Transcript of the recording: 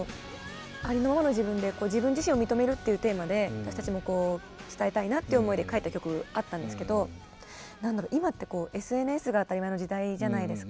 ありのままの自分で自分自身を認めるっていうテーマで私たちも伝えたいなっていう思いで書いた曲あったんですけど今ってＳＮＳが当たり前の時代じゃないですか。